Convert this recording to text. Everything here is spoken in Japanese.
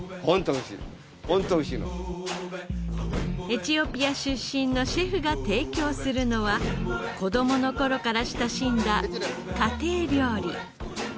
エチオピア出身のシェフが提供するのは子供の頃から親しんだ家庭料理。